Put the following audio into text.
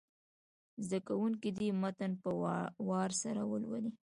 زده کوونکي دې متن په وار سره ولولي.